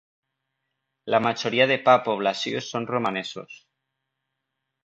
La majoria de pa població són romanesos.